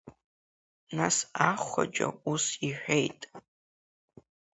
Нас ахәаџьа ус иҳәеит…